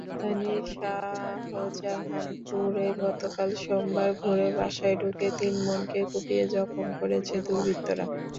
রাজধানীর শাহজাহানপুরে গতকাল সোমবার ভোরে বাসায় ঢুকে তিন বোনকে কুপিয়ে জখম করেছে দুর্বৃত্তরা।